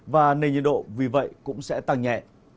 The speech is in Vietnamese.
và nền nhiệt độ vì vậy cũng sẽ tăng nhẹ